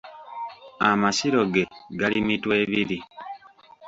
Amasiro ge gali Mitwebiri.